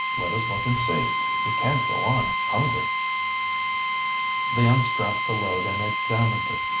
Let us look and see. We can't go on, hungry." They unstrapped the load and examined it.